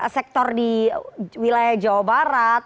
sektor di wilayah jawa barat